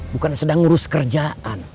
bukan sedang ngurus kerjaan